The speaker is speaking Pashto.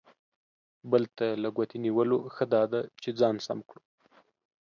بل ته له ګوتې نیولو، ښه دا ده چې ځان سم کړو.